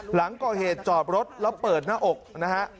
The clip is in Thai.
หลังก่อเหตุจอดรถแล้วเปิดหน้าอกนะฮะ